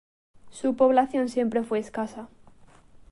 Su población siempre fue escasa.